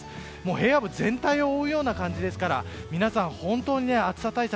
平野部全体を覆うような感じですから皆さん、本当に暑さ対策。